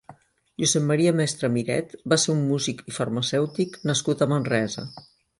Josep Maria Mestre Miret va ser un músic i farmacèutic nascut a Manresa.